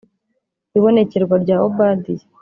ibonekerwa rya obadiya.